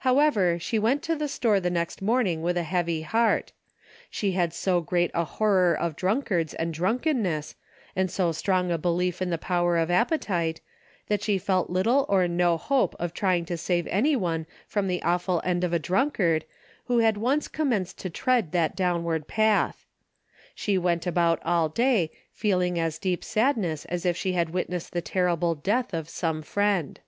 However, she went to the store the next morning with a heavy heart. She had so great a horror of drunk ards and drunkenness, and so strong a belief in the power of appetite, that she felt little or no hope of trying to save any one from the awful end of a drunkard, who had once com menced to tread that downward path. She went about all day, feeling as deep sadness as if she had witnessed the terrible death of some friend.